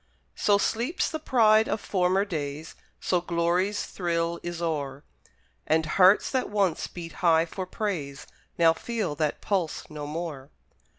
So sleeps the pride of former days, So glory's thrill is o'er, And hearts that once beat high for praise, Now feel that pulse no more.